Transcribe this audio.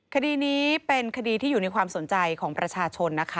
คดีนี้เป็นคดีที่อยู่ในความสนใจของประชาชนนะคะ